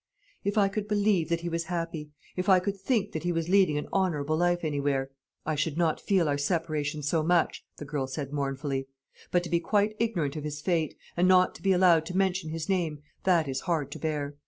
"If I could believe that he was happy, if I could think that he was leading an honourable life anywhere, I should not feel our separation so much," the girl said mournfully; "but to be quite ignorant of his fate, and not to be allowed to mention his name, that is hard to bear.